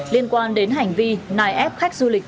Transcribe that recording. liên quan đến hành vi nài ép khách du lịch